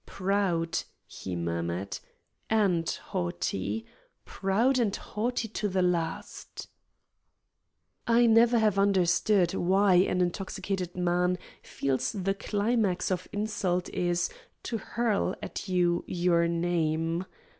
"Proud," he murmured, "AND haughty. Proud and haughty to the last." I never have understood why an intoxicated man feels the climax of insult is to hurl at you your name.